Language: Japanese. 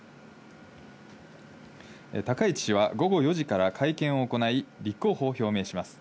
高市氏は午後４時から会見を行い、立候補を表明します。